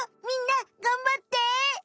みんながんばって。